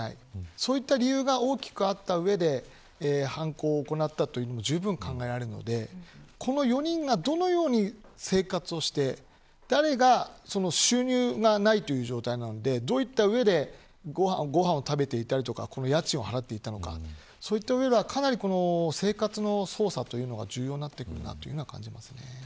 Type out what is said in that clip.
そういう理由が大きくあった上で犯行を行ったということもじゅうぶんに考えられるのでこの４人がどのように生活をして収入がないという状態なのでどうやってご飯を食べたり家賃を払っていたのか生活の捜査というのが重要になってくると感じます